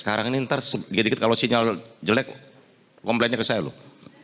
sekarang ini ntar sedikit dikit kalau sinyal jelek komplainnya ke saya loh